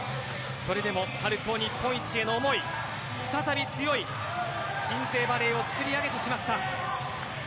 それでも春高日本一への思い再び、強い鎮西バレーを作り上げてきました。